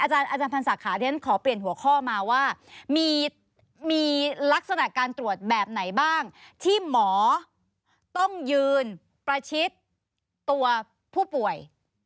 ตัวผู้ป่วย